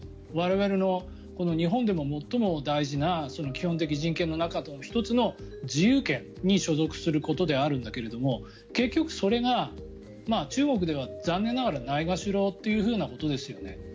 我々の日本でも最も大事な基本的人権の中の１つの自由権に所属することであるんだけども結局それが、中国では残念ながらないがしろということですよね。